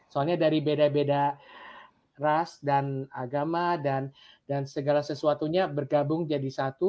soalnya dari beda beda ras dan agama dan segala sesuatunya bergabung jadi satu